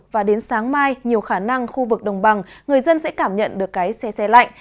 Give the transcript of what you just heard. và đến sáng mai nhiều khả năng khu vực đồng bằng người dân sẽ cảm nhận được cái xe xe lạnh